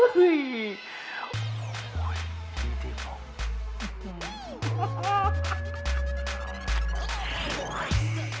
ดีเจย์อาป๋อง